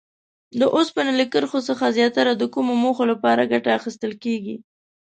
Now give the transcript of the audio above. د اوسپنې له کرښې څخه زیاتره د کومو موخو لپاره ګټه اخیستل کیږي؟